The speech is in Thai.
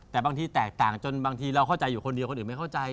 แต่บางทีแตกต่างจนบางทีเราเข้าใจอยู่คนเดียวคนอื่นไม่เข้าใจ